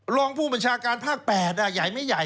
รองผู้บัญชาการภาค๘ใหญ่ไม่ใหญ่